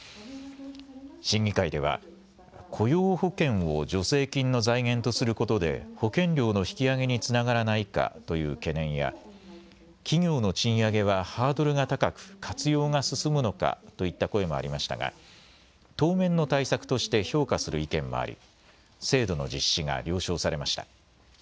審議会では雇用保険を助成金の財源とすることで保険料の引き上げにつながらないかという懸念や企業の賃上げはハードルが高く活用が進むのかといった声もありましたが当面の対策として評価する意見もあり制度の実施が了承されました。